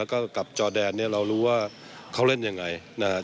แล้วก็กับจอแดนเนี่ยเรารู้ว่าเขาเล่นยังไงนะครับ